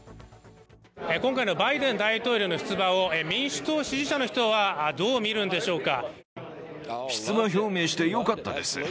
今回のバイデン大統領の出馬を民主党支持者の人はどう見るのでしょうか？